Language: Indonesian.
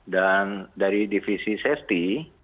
dan dari divisi safety